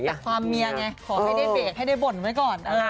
แต่ความเมียไงขอให้ได้เบรกให้ได้บ่นไว้ก่อน